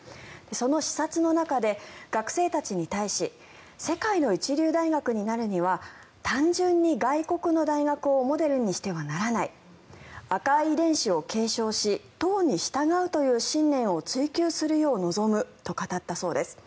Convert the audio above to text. その視察の中で学生たちに対し世界の一流大学になるには単純に外国の大学をモデルにしてはならない赤い遺伝子を継承し党に従うという信念を追求するよう望むと語ったそうです。